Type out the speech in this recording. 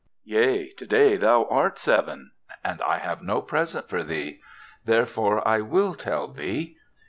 "Yea, today thou art seven and I have no present for thee; therefore I will tell thee.